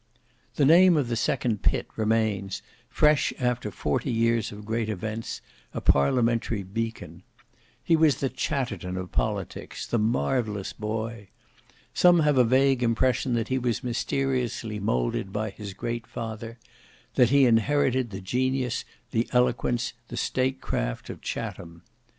The name of the second Pitt remains, fresh after forty years of great events, a parliamentary beacon. He was the Chatterton of politics; the "marvellous boy." Some have a vague impression that he was mysteriously moulded by his great father: that he inherited the genius, the eloquence, the state craft of Chatham.